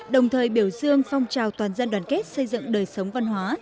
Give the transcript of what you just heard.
đồng thời biểu dương phong trào toàn dân đoàn kết xây dựng đời sống văn hóa